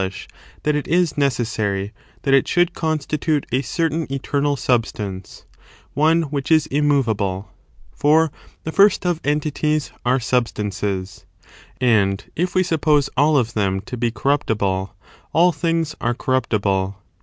"^ hlMi that it is necessary that it should constitute a certain eternal substance, one which is im movable; for the first of entities are substances ; and if we suppose all of them to be corruptible, all things are corrup tible.